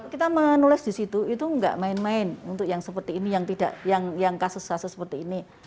kita menulis di situ itu nggak main main untuk yang seperti ini yang tidak yang kasus kasus seperti ini